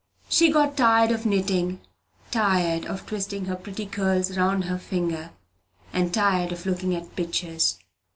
She got tired of knitting, tired of twisting her pretty curls round her finger, and tired of looking at pictures.